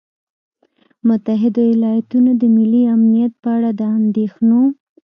متحدو ایالتونو د ملي امنیت په اړه د اندېښنو